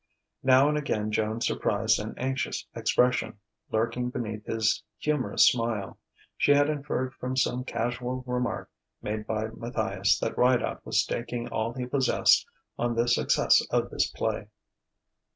Now and again Joan surprised an anxious expression lurking beneath his humorous smile; she had inferred from some casual remark made by Matthias that Rideout was staking all he possessed on the success of this play.